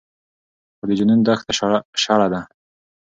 خو د جنون دښته شړه ده